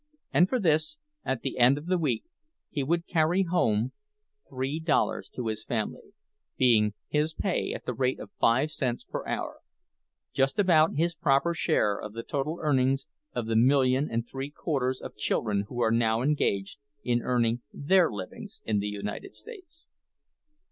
And for this, at the end of the week, he would carry home three dollars to his family, being his pay at the rate of five cents per hour—just about his proper share of the total earnings of the million and three quarters of children who are now engaged in earning their livings in the United States.